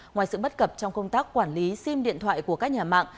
ngoài sự bất cập trong công tác quản lý sim điện thoại của các nhà mạng